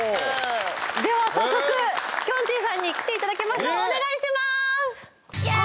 では早速きょんちぃさんに来ていただきましょうお願いします！